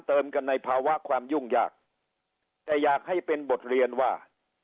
เติมกันในภาวะความยุ่งยากแต่อยากให้เป็นบทเรียนว่า